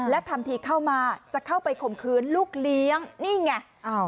และทำทีเข้ามาจะเข้าไปข่มขืนลูกเลี้ยงนี่ไง